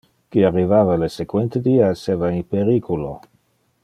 Qui arrivava le sequente die esseva in periculo.